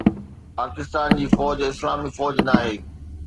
پاڪستان جي فوج اسلامي فوج ناهي